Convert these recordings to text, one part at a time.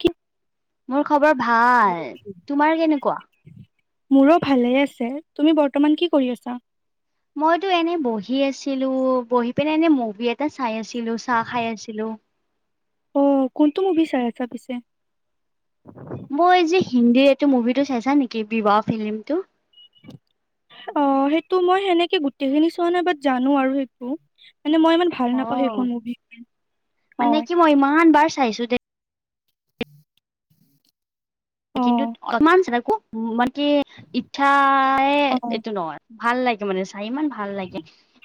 কি মোৰ খবৰ ভাল! তোমাৰ কেনেকুৱা? মোৰো ভালেই আছে, তুমি বৰ্তমান কি কৰি আছা? মইতো এনে বহি আছিলো বহি পিনে এনে মুভি এটা চাই আছি ছিলো চাহ খায় আছিলো। অঁ কোনটো মুভি চাই আছা পিছে? মই যে হিন্দীৰ এইটো মুভিটো চাইছা নেকি বিবাহ ফিল্মটো? অ সেইটো মই সেনেকে গোটেইখিনি চোৱা নাই বাট জানো আৰু সেইটো। মানে মই ইমান ভাল নাপাওঁ সেইখন অ'। মুভি, অ। মানে কি মই ইমান বাৰ চাইছো দে অ কিন্তু [unintelligible] [unintelligible] মান কি ইচ্ছাই অ এইটো নহয়। ভাল লাগে মানে চাই ইমান ভাল লাগে,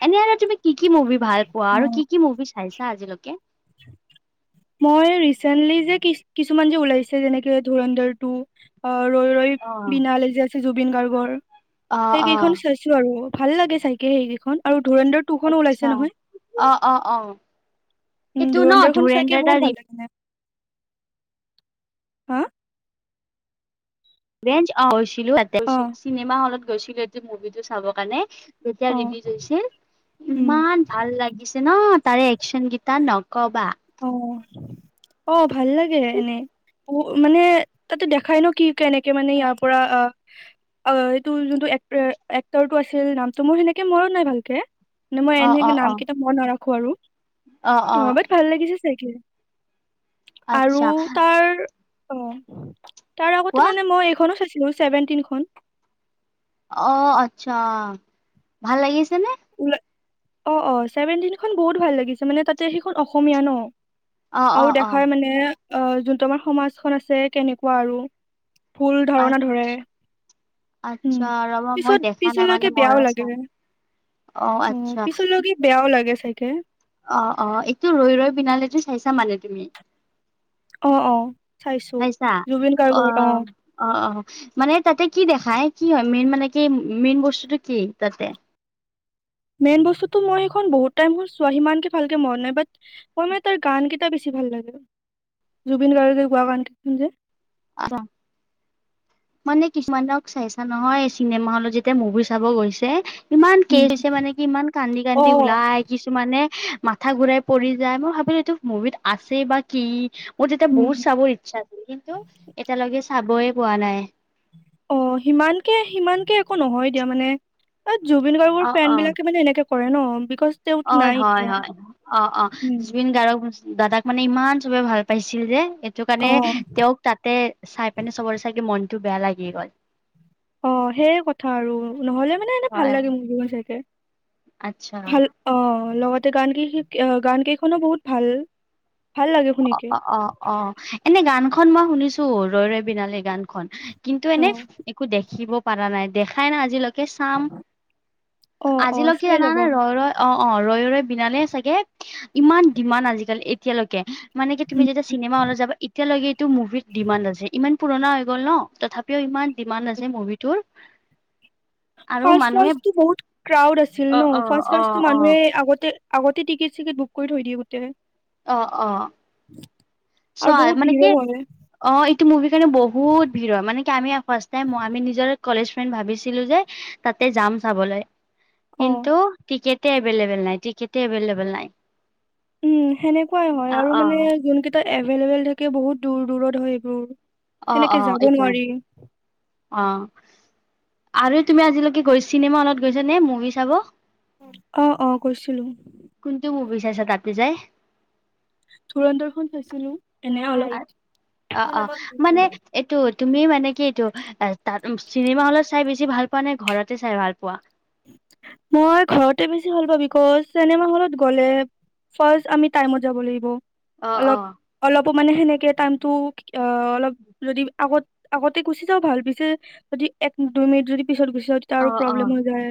এনে আৰু তুমি কি কি মুভি ভাল পোৱা? অ আৰু কি কি মুভি চাইছা আজিলৈকে? মই ৰেচেণ্টলী যে কিছুমান যে ওলাইছে যেনেকে ধুৰন্ধৰ টো ু অ ৰৈ ৰৈ অ', বিনালে যে আছে জুবিন গাৰ্গৰ, অ', সেই কেইখন অ', চাইছো আৰু। ভাল লাগে চাইকে সেইকেইখন আৰু ধুৰন্ধৰ টু খনো আচ্ছা। ওলাইছে নহয়, অ', অ', অ', উম এইটো ন ধুৰন্ধৰখন চাই ধুৰেন্দ্ৰ বহুত দাৰ ভাল লাগিলে, হা? ৰেজ অ হৈছিলো অ [unintelligible] চিনেমা হলত গৈছিলোটো মুভিটো চাবৰ কাৰণে। যেতিয়া অ ৰিলিজ হৈছিল, উম ইমান ভাল লাগিছে ন তাৰে একশচন গেইটা নকবা! অহ। অ ভাল লাগে এনেই, মানে তাতে দেখাই ন কি কেনেকে মানে ইয়াৰ পৰা অ অ এইটো যোনটো এক এক্টৰটো আছিল নামটো মোৰ সেনেকে মনত নাই ভালকে মানে মই এনেই এনেই নাম কেইটা মনত নাৰাখো আৰু। অ অ-অ। বাট ভাল লাগিছে চাগে আৰু আচ্ছা তাৰ, অ। তাৰ আগতে কোৱা মানে মই এইখনো চাইছিলো চছেভেনটিনখন। অ আচ্ছা, ভাল লাগিছে নে? অ অ চেভেনটিনখন বহুত ভাল লাগিছে মানে তাতে সেইখন অসমীয়া ন। অ অ আৰু অ দেখাই মানে অ যোনটো আমাৰ সমাজখন আছে কেনেকুৱা আৰু। ফুল ধাৰণা ধৰে। উম আচ্ছা ৰবা পিছত মই দেখা নাই পিছলৈকে মানে বেয়াও মইও লাগে চাম। অহ অ', আচ্ছা। পিছলৈকে বেয়াও লাগে চাগে অ অ এইটো ৰৈ ৰৈ বিনালেটো চাইছা মানে তুমি। অ', অ', চাইছো। চাইছা জুবিন গাৰ্গৰ অহ অ', অ অ। মানে তাতে কি দেখায় কি হয় মেইন মানে কি মেইন বস্তুটো কি তাতে? মেইন বস্তুতো মই সেইখন বহুত টাইম হল চোৱা সিমানকে ভালকে মন নাই ব মই মানে তাৰ গান কেইটা বেছি ভাল লাগে, জুবিন গাৰ্গে গোৱা গান বোৰ যে আহ মানে কিছুমানক চাইছা নহয় চিনেমা হলত যেতিয়া মুভি চাব গৈছে ইমান কে উম, হৈছে মানে কি ইমান কান্দি কান্দি অ', ওলাই কিছুমানে। মাথা ঘুৰাই পৰি যায় মই ভাবিলো এইটো মুভিত আছে বা কি মোৰ তেতিয়া বহুত উম, চাবৰ ইচ্ছা আছিল কিন্তু এতিয়ালৈকে চাবই পোৱা নাই। অ সিমানকে সিমানকে একো নহয় দিয়া মানে জুবিন অ গাৰ্গৰ অ ফেন বিলাকে মানে এনেকে কৰে ন বিকজ তেওঁতো অ নাই হয় এতিয়া হয় অ অ উম। জবিন গাৰ্গক দাদাক মানে ইমান চবে ভাল পাইছিল যে সেইটো কাৰণে অ', তেওঁক তাতে চাই পেনে চবৰে চাগে মনটো বেয়া লাগি গ'ল। অ সেইয কথা আৰু নহলে মানে এনে ভাল হয় লাগে মোৰ জীন চাইকে আচ্ছা ভাল অ, লগতে গান কেই গান কেইখনো বহুত ভাল ভাল লাগে অ শুনিকে। অ অ অ এনে গানখন মই শুনিছো ৰৈ ৰৈ বিনালী গানখন কিন্তু এনে অ', একো দেখিব পৰাৰ নাই, দেখাই না আজিলৈকে চাম, অ', অ আজিলৈকে চাই জানা ল'বা। নাই? ৰৈ ৰৈ, অ'। অ' ৰৈ ৰৈ বিনালে চাগে ইমান ডিমাণ্ড আজিকালি এতিয়ালৈকে মানে কি তুমি যেতিয়া চিনেমা হলত যাবা এতিয়ালৈকে এইটো মুভিত ডিমাণ্ড আছে ইমান। পুৰণা হৈ গ'ল ন, তথাপিও ইমান ডিমাণ্ড আছে মুভিটোৰ। আৰু ফাৰ্ষ্ট মানুহে ফাৰ্ষ্টটো বহুত ক্ৰাউড আছিল অ ন, অ ফাৰ্ষ্ট অ ফাৰ্ষ্টটো অ মানুহে আগতে আগতে টিকট-চিকেট বুক কৰি থৈ দি গোটে। অ অ আৰু চৱা বহুত মানে ভিৰো কি, হয়, অ। টো মুভিৰ কাৰণে বহুত ভিৰ মানে কি আমি ফাৰ্ষ্ট টাই আমি নিজৰ কলেজ ফ্ৰেণ্ড ভাবিছিলো যে ত তাতে যাম চাবলৈ। অ', কিন্তু টিকটে এভেইলেবল নাই, টিকট এভেইলেবল নাই। উম। সেনেকুৱাই হয় অ আৰু অ মানে যোন কেইটাত এভেইলেবল থাকে বহুত দূৰ দূৰত হয় এইবোৰ। অ সেনেকে অ যাব এতিয়া নোৱাৰি। অ আৰু তুমি আজিলৈকে গৈ চিনেমা হলত গৈছা নে মুভি চাব? অ অ গৈছিলো। ছতপি যাই [unintelligible] ধুৰন্ধৰ খন চাইছিলো। এনে অলপ, অ অ মানে এইটো তুমি মানে কি এইটো তাত চিনেমা হলত চাই বেছি ভাল পোৱা নে ঘৰতে চাই ভাল পোৱা? মই ঘৰতে বেছি ভাল পাও, বিকজ চিনেমা হলত গ'লে ফাৰ্ষ আমি টাইমত যাব লাগিব আহ অলপ আহ অলপো মানে সেনেকে টাইমতটো অ অলপ যদি আগত আগতে গুচি যাওঁ ভাল পিছে এক দুই মিনিট যদি পিছত গুচি যাওঁ তেতিয়া অ আৰু অ প্ৰব্লেম হৈ যায়।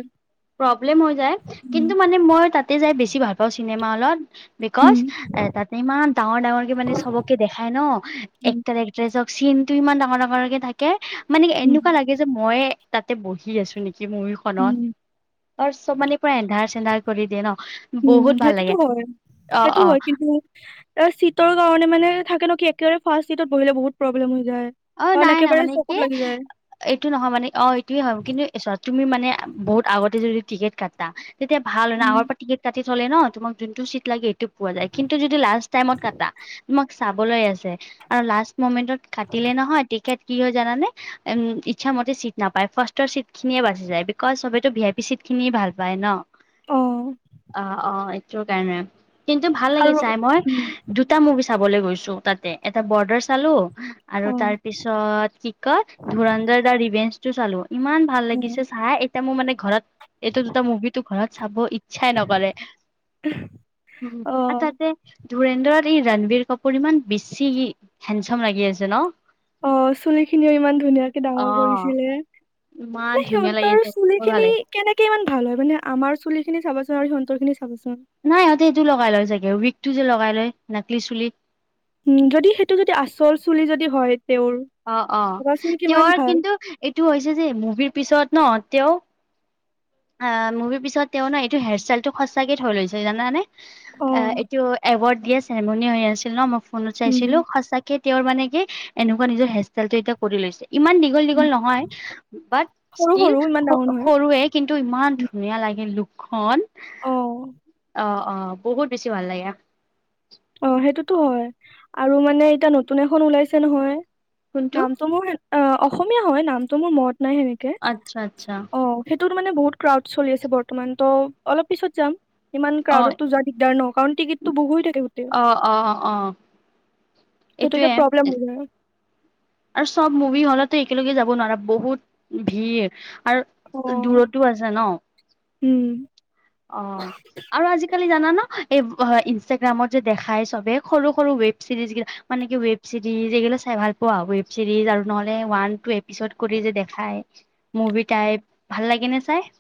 প্ৰব্লেম হৈ যায়। উম। কিন্তু মানে মই তাতে যাই বেছি ভাল পাওঁ চিনেমা হলত বিকজ, উম, এ তাতে ইমান ডাঙৰ ডাঙৰকে মানে চবকে দেখাই ন, উম, এক্টাৰ এক্ট্ৰেছক চিন টো ইমান ডাঙৰ ডাঙৰকে থাকে মানে এনেকুৱা লাগে যে মইে তাতে বহি আছো নেকি। মুভি উম, খনত আৰু চব মানে পুৰা এন্ধাৰ চেন্ধাৰ কৰি দিয়ে ন। উম। বহুত ভাল সেইটোতো লাগে হয়। অ সেইটো অ হয় কিন্তু এ চিটৰ কাৰণে মানে থাকে নকি একেবাৰে ফাৰ্ষ্ট চিটত বহিলে বহুত প্ৰব্লেম হৈছে অ নাই ন মানে কি এইটো নহয় মানে অ এইটোয়ে হ কিন্তু তুমি মানে বহুত আগতে যদি টিকেট কাটা তেতিয়া ভাল হয় ন উম, আগৰ পৰা টিকেট কাটি থলে ন তোমাক যোনটো চিট লাগে পোৱা যায়। কিন্তু যদি লাষ্ট টাইমত কাটা আৰু তোমাক চাবলৈ আছে আৰু লাষ্ট মমেন্তত কাটি দিলে নহয় টিকট কি হয় জানানে উম ইচ্ছা মতে চিট নাপায়। ফাৰ্ষ্টৰ চিট খিনিয়ে বাচি যায় বিকজ সবতো ভি আই পি চিত খিনিয়ে ভাল পায় ন অ' অ অ এইটো কাৰণে কিন্তু ভাল আৰু লাগি চাই মই, উম, দুটা মুভি চাবলৈ গৈছো তাতে এটা বৰ্ডাৰ চালো আৰু তাৰ অ', পিছত, কি কয় ধুৰণ্ডৰ দ ৰিভেঞ্চ টো চালো। ইমান ভাল অ', লাগিছে চাই, এতিয়া মোৰ মানে ঘৰত এইটো দুটা মুভিটো ঘৰত চাব ইচ্ছাই নকৰে আৰু অ', তাতে ধুৰেণ্ডৰত এই ৰণবীৰ কাপোৰ ইমান বেছি হেণ্ডচম লাগি আছে ন? অ', চুলি খিনিও ইমান ধুনীয়াকে অ ডাঙৰ কৰিছিলে। ইমান মানে ধুনীয়া লাগি সিহঁতৰ আছে চুলি বৰ ভাল খিনি লাগে কেনেকে ইমান ভাল হয়, মানে আমাৰ চুলি খিনি চাবাচোন আৰু সিহঁতৰ খিনি চাবাচোন। নাই ইিহঁতে এইটো লগাই লয় চাগে উইকটো যে লগাই লয় নাকলি চুলি। উম, যদি সেইটো যদি আচল চুলি যদি হয় তেওঁৰ অ', অ', ভাবাচোন কিমান তেওঁৰ ভাল কিন্তু এইটো হৈছে যে মুভিৰ পিছত ন তেওঁ অ', মুভিৰ পিছত তেওঁ ন এইটো হেয়াৰ ষ্টাইলটো সঁচাকে থৈ লৈছে জানানে? অ', এইটো এৱৰ্ড দিয়া চেৰেমনি হৈ আছিল ন' মই ফোনত চাইছিলো উম সঁচাকে তেওঁৰ মানে কি এনেকুৱা নিজৰ হেয়াৰষ্টাইলটো এতিয়া কৰি লৈছে। ইমান দীঘল দীঘল নহয়, বাট সৰু ষ্টীল সৰু ইমান ডাঙৰ নহয় সৰুৱে কিন্তু ইমান ধুনীয়া লাগে লুকখন অ। অ অ বহুত বেছি ভাল লাগে। অ সেইটোতো হয় আৰু মানে এতিয়া নতুন এখন ওলাইছে নহয় কোনটো নামটো মোৰ অ অসমীয়া হয়, নামটো মোৰ মনত নাই সেনেকে আচ্ছা আচ্ছা অ তোৰ মানে বহুত ক্ৰাউড চলি আছে বৰ্তমান ত' অলপ পিছত যাম ইমান অ ক্ৰাউডতো যোৱা দিগদাৰ ন' কাৰণ টিকটতটো বুক হৈ থাকে। গোটেই অ', অ', ত অ', তেতিয়া প্ৰব্লেম এইটোৱে হৈ যায় আৰু চব মুভি হ'লত। তো একেলগে যাব নোৱাৰা বহুত ভিৰ অ আৰু দূৰতো আছে ন'। উম, অ', আৰু আজিকালি জানা ন' এই ইনষ্টাগ্ৰামত যে দেখাই চবে সৰু সৰু ৱেব চিৰিজ মানে কি ৱেব চিৰিজ এগিলা চাই ভাল পোৱা, ৱেব চিৰিজ আৰু নহলে ৱান টু এপিচড কৰি যে দেখাই তাই ভাল লাগে নে চাই?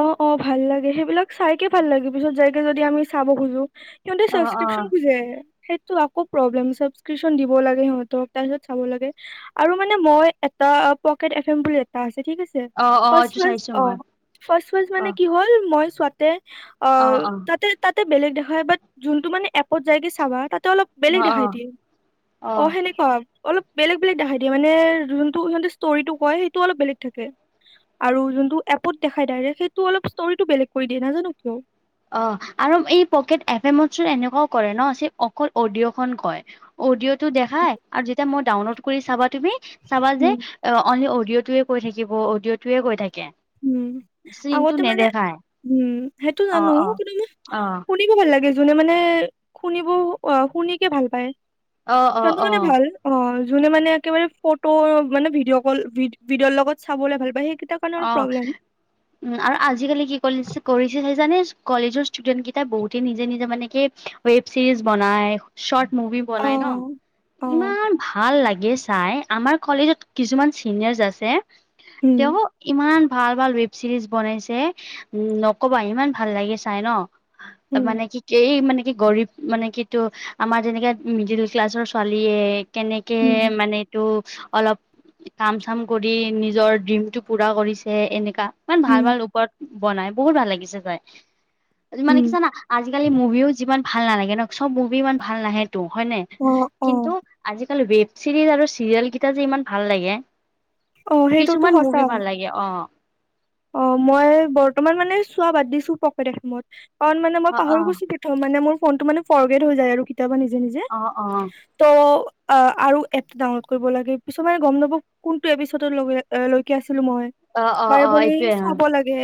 অ', অ', ভাল লাগে সেইবিলাক চাইকে ভাল লাগে পিছত যাইকে যদি আমি চাব খোজোঁ। সিহঁতে অ অ সাবক্রিপশ্যন খোজে সেইটো আকৌ প্ৰব্লেম সাবক্ৰিপশ্যন দিব লাগে সিহঁতক তাৰপিছত চাব লাগে আৰু মানে মই এটা পকেট এফেমবুলি, এটা আছে ঠিক আছে অ অ ফাৰ্ষ্ট এইটো ৱাইছ চাইছো মই অ', ফাৰ্ষ্ট ৱাইছ মানে অ কি হল মই ছোৱাতে অ', তাতে তাতে বেলেগ দেখাই বাট যোনটো মানে এপত যায়গে চাবা তা ত' অলপ বেলেগ অ দেখাই দিয়ে অ', সেনেকুৱা অলপ বেলেগ বেলেগ দেখাই দিয়ে মানে যোনটো সিহঁতে ষ্টৰিটো কয় সেইটো অলপ বেলেগ থাকে। আৰু যোনটো এপত দেখাই ডাইৰেক্ট সেইটো অলপ ষ্টৰিটো বেলেগ কৰি দিয়ে নাজানো কিয়। অ', আৰু এই পকেট এফ এমত চোন এনেকুৱাও কৰে ন' চ অকল অডিঅ'খন কয় অডিঅ'ত দেখাই আৰু যেতিয়া মই ডাউনলোড কৰি চাবা তুমি চাবা যে উম, অনলি অডিঅ' অডিঅ'টোৱে কৈ থাকিব অডিঅ'টোৱে কৈ থাকিব উম, আগতে মানে উম, সেইটো অ জানোঁ অ কিন্তু কি, অ শুনিব ভাল লাগে। যোনে মানে শুনিব অ', শুনিকে ভাল পায় অ অ যোনটো অ মানে ভাল অ', যোনে মানে একেবাৰে ফটো মানে ভিডিঅ' কল ভিডিঅ'ৰ লগত চাবলৈ ভাল পায় সেইকেইটাৰ কাৰণে অ অলপ প্ৰব্লেম। উম, আৰু আজিকালি কি কৰিছে কৰিছে যানে কলেজৰ ষ্টুডেন্ট কেইটা বহুতে নিজে নিজে মানে কি ৱেব চিৰিজ বনাই শ্বৰ্ট মুভি বনাই ন' অ', অ', ইমান ভাল লাগে [unintelligible] চাই আমাৰ কলেজত কিছুমান চিনিয়ৰ্ছ আছে উম, তেওঁ ইমান ভাল ভাল ৱেব চিৰিজ বনাইছে উম, নকবা ইমান ভাল লাগে চাই ন'। উম, মানে কি কেই মানে কি গৰীব মানে কিটো আমাৰ যেনেকে মিডিল ক্লাছৰ ছোৱালীয়ে কেনেকে উম, মানে এইটো অলপ কাম চাম কৰি নিজৰ ড্ৰিমটো পুৰা কৰিছে এনেকা, ইমান ভাল উম, ভাল ওপৰত বনাই বহুত ভাল লাগিছে চাই। আজি মানে উম, কি জানা আজিকালি মুভিয়ো যিমান ভাল নালাগে ধৰক চব মুভি ইমান ভাল নাহে। টো হয়নে? অ', অ', কিন্তু আজিকালি ৱেব চিৰিজ আৰু চিৰিয়েল কেইটা যে ইমান ভাল লাগে। অ' সেইটোতো কিছুমান সঁচা। মুভি ভাল লাগে অ'। অ' মই বৰ্তমান মানে চোৱা বাদ দিছো পকেটখমত। কাৰণ মানে মই অ পাহৰি গৈছো [unintelligible] মানে মোৰ ফোনটো মানে ফৰ্গেড হৈ যায় আৰু। কেতিয়াবা নিজে নিজে অ অ অ ত' আৰু এপ ডাউনলোড কৰিব লাগে পিছ মানে গম ন কোনটো এপিচডতে লৈকে আছে অ', অ', অ', [unintelligible] এইটোয়ে হয়। চাব লাগে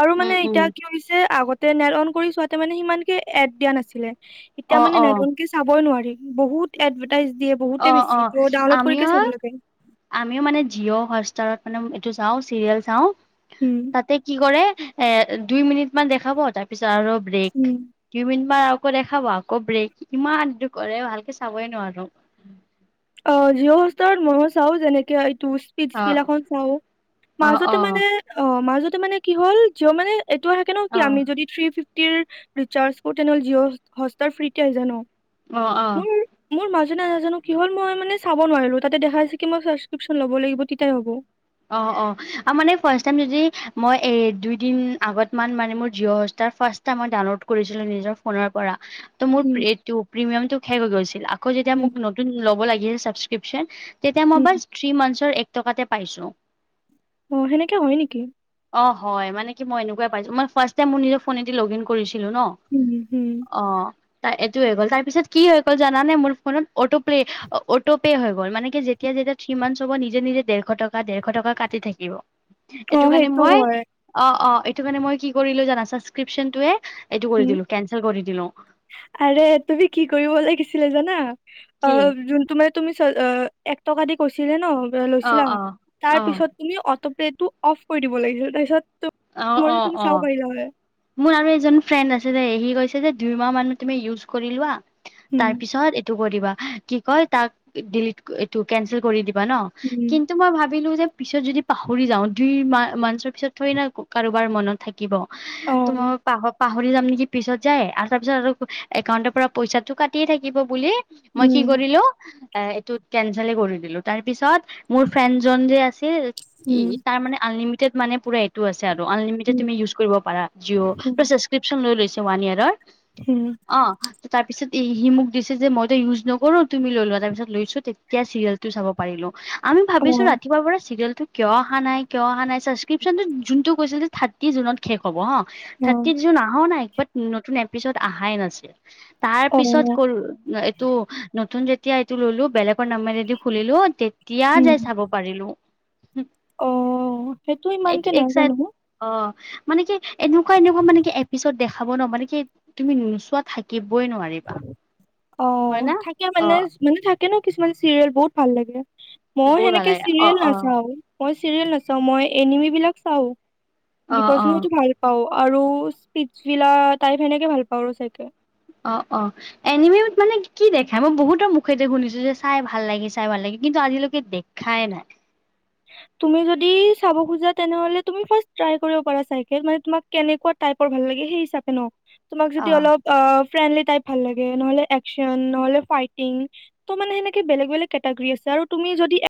আৰু মানে উম, উম। এতিয়া কি হৈছে আগত তে নেট অন কৰি চোৱাতে মানে সিমান কে এড দিয়া নাছিলে এতিয়া অ', মানে অ', নেট অন কে চাবয়ে নোৱাৰি। বহুত এডভাৰটাইজ দিয়ে বহুতে অ', বেছি ডাউনলোড কৰিকে চাব লাগে। আমিয়ো মানে জিঅ' হটষ্টাৰত মানে এইটো চাওঁ চিৰিয়েল চাওঁ উম তাতে কি কৰে এ দুই মিনিট মান দেখাব তাৰ পিছত আৰু ব্ৰেক উম দুই মিনিট মান আকৌ দেখাব আকৌ ব্ৰেক ইমান দ কৰে ভালকে চাবই নোৱাৰো। অ' জিঅ'হস্তাৰত ময়ো চাও যেনেকে তোৰ অ', স্পিতভেলাখন চাও অ', মাজতে অ', মানে অ' মাজতে মানে কি হ'ল জিঅ' মানে এইটো থাকে ন কি অ', আমি যদি থ্ৰী ফিফটিৰ ৰিচাৰ্জ কৰো তেনেহ'লে জিঅ'হষ্টাৰ ফ্ৰীতে হয় যায় ন। অ' আহ। সেইদিনা নাজানো কি হল মই মানে চাব নোৱাৰিলো তাতে দেখাই হৈছে কি মই চাবচক্ৰিপশ্যন লব লাগিব তেতিয়াই হ'ব। অ' অ' আৰু মানে ফাৰ্ষ্ট টাইম যদি মই এ দুইদিন আগত মান মানে মোৰ জিঅ'হস্তাৰ ফাৰ্ষ্ট এ মই ডাউনলোড কৰিছিলো নিজৰ ফোনৰ পৰা। ত' মোৰ উম, এই প্ৰিমিয়ামটো শেষ হৈ গৈছিল, আকৌ যেতিয়া উম, মোক নতুন লব লাগে চাবচক্ৰিপশ্যন। তেতিয়া মই উম। বাচ থ্ৰী মান্থচ এক টকাতে পাইছোঁ। অ' সেনেকে হয় নেকি? অ', হয় মানে কি মই এনেকুৱাই পাইছোঁ মই ফাৰ্ষ্ট টাইম মোৰ নিজৰ ফোনেদি লগ ইন কৰিছোঁ। ছিলো ন উম, হুম। অ তাই এইটো হৈ গ'ল তাৰপিছত কি হৈ গ'ল জানে মোৰ ফোনত অট পে অটোপে' হৈ গ'ল মানে কি যেতিয়া যেতিয়া ত্ৰিমান চব নিজে নিজে দেৰশ টকা দেৰ শ টকা কাটি থাকিব এইটো অ', কাৰণে সেইটো মই, হয় অ অ। এইটো মানে মই কি কৰিলো জানা ছাবক্ৰিবচনটোৱে উম আৰে তুমি কি কৰিব লাগিছিলে জানা অ কি যোন তো মানে তুমি চ অ এক টকা এটা দি কৈছিলে ন অ লৈছিলা। অ তাৰ অ পিছত তুমি অটপেটো অফ কৰি দিব লাগিছিল, তাৰপিছত অ মই অ তুমি অ চাব পাৰিলা হয়। মোৰ আৰু এজন ফ্ৰেণ্ড আ টুডেই সি কৈছে যে দুইমাহ মান তুমি ইউজ কৰি লোৱা, তাৰ পিছত এইটো কৰিবা। কি কয় তাক ডিলিট এইটো কেনচেল কৰি দিবা ন কিন্তু মই ভাবিলো যে পিছত যদি পাহৰি যাওঁ দুই মা মাঞ্চৰ পিছত ঠৰি না কাৰোবাৰ মনত থাক কিব তোমাৰ পাহপ পাহৰি যাম নেকি পিছত যায় আছা পিছত আৰু একাউণ্টৰ পৰা পইচাটো কাটিয়েই থাকিব বুলি মই কি কৰিলো এ এইটো কেনচলে কৰি দিলো তাৰ পিছত মোৰ ফ্ৰেণ্ডজন যে আছিল তাৰ মানে আনলিমিটেড মানে পুৰা ছে আৰু আনলিমিটেড তুমি ইউজ কৰিব পাৰা জিঅ' পুৰা ছাচক্ৰিপচন লৈ লৈছে ওৱান ইয়েৰৰ। অহ। তাৰ পিছত এহি মোক দিছে যে মইতো ইউজ নকৰো তুমি লৈ লোৱা তাৰ পিছ লৈছো তেতিয়া চিৰিয়েলটো চাব পাৰিলো। আমি ভাবিছো ৰাতিপুৱাৰ পৰা চিৰিয়েলটো কিয় অহা নাই কিয় অহা নাই ছাচক্ৰিবচনটো যোনটো কৈছিল যে থাৰ্টি জুনত শেষ হ'ব হ থাৰ্টিত জুন আহা নাই বাট নতুন এপিছড অহাই নাছিল তাৰ অ পিছত কৰোৰ তটো নতুন যেতিয়া এইটো ললো বেলেগৰ নাম্বাৰদি খুলিলো তে - - এতিয়া উম যোই চাব পাৰিলো, অ', সেইটো ইমান কে না চাই অ' মানে কি এনেকুৱা এনেকুৱা মানে কি এপিচড দেখাব ন' মানে কি তুমি নোচোৱা থাকিব কবই নোৱাৰিবা। হয় অ', না থাকে অ মানে মানে থাকে ন', কিছুমান চিৰিয়েল বহুত ভাল লাগে। মই বহুত ভাল সেনেকে লাগে অ চিৰিয়েল অ নাচাও মই চিৰিয়েল নাচাও মই এনিমি বিলাক চাও, অ বিকজ অ মইটো ভাল পাও। আৰু স্পিছিলা টাই সেনেকে ভাল পাওঁ ৰ চে অঁ অ এনিমে মানে কি দেখাই মই বহুতৰ মুখেতে শুনিছো যে চাই ভাল লাগে চাই ভাল লাগে কিন্তু আজিলৈকে দেখাই নাই, তুমি যদি চাব খুজা তেনেহলে তুমি ফাৰ্ষ্ট ট্ৰাই কৰিবি পাৰা, চাই কেনে মানে তোমাক কেনে - - টাইপৰ ভাল্ লাগে, সেই হিচাপ নহ? তোমাক অ যদি অলপ অহ - - ফ্ৰেণ্ডলি টাইপ ভাল লাগে নহলে একন নহলে ফাইটিং ত মানে সেনেকে বেলেগ বেলেগৰী আছে। আৰু তুমি যদি